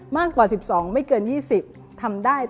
มากกว่า๑๒ไม่เกิน๒๐ทำได้